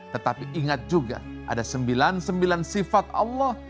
tetapi ingat juga ada sembilan puluh sembilan sifat allah